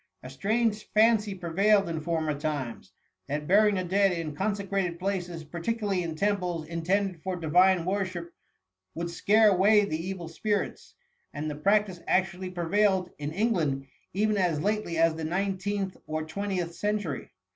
A strange fancy prevailed in former times, that burying the dead in consecrated places, particularly in temples intended for divine worship, would scare away the evil spirits, and the practice actually prevailed in Eng land even as lately as the nineteenth or twen tieth century.